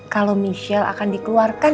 kalau michelle akan dikeluarkan